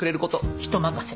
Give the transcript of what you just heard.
人任せ。